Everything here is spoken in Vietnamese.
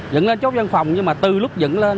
dựng lên chốt dân phòng nhưng mà từ lúc dựng lên